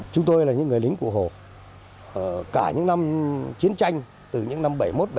chúng tôi là những người lính cụ hồ cả những năm chiến tranh từ những năm bảy mươi một bảy